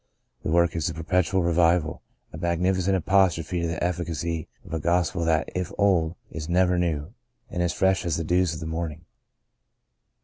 The work is a perpetual re vival — a magnificent apostrophe to the effi cacy of a Gospel that, if old, is ever new, and as fresh as the dews of the morning.